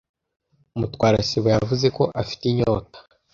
Mutwara sibo yavuze ko afite inyota.